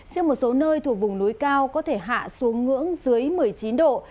riêng một số nơi thuộc vùng núi cao có thể hạ xuống ngưỡng dưới một mươi chín độ